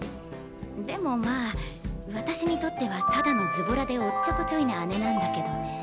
でもまぁ私にとってはただのズボラでおっちょこちょいな姉なんだけどね。